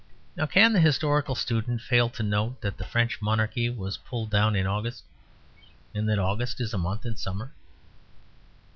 Nor can the historical student fail to note that the French monarchy was pulled down in August; and that August is a month in summer.